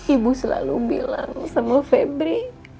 ibu selalu bilang sama febri